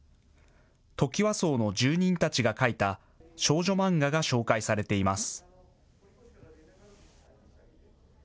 トキワ荘の住人たちが描いた少女漫画が紹介されています。